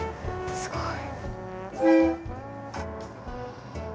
すごい。